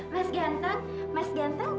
mas ganteng mas ganteng